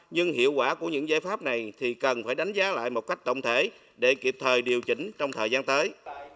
nhưng hiệu quả của những giải pháp này thì cần phải đánh giá lại một cách tổng thể để kịp thời điều chỉnh trong thời gian tới